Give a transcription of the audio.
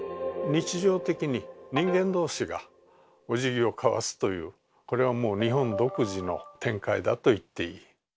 日常的に人間同士がおじぎを交わすというこれはもう日本独自の展開だと言っていい。